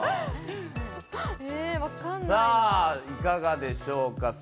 いかがでしょうか。